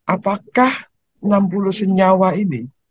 apakah enam puluh senyawa ini